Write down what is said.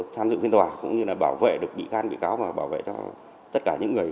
tham dự phiên tòa cũng như là bảo vệ được bị can bị cáo và bảo vệ cho tất cả những người